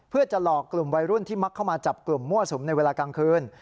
เพื่อจะหลอกกลุ่มวัยรุ่นที่มักเข้ามาจับกลุ่มมั่วสุมในเวลากลางคืน